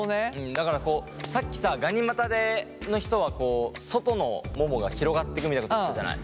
だからさっきさガニ股の人は外のももが広がってくみたいなこと言ってたじゃない。